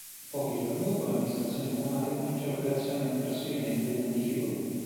Pochi giorni dopo, l'amministrazione comunale comincia l'operazione trasferimento degli antichi volumi.